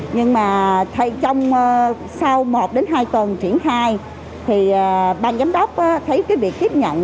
nhưng mà trong sau một đến hai tuần triển khai thì ban giám đốc thấy cái việc tiếp nhận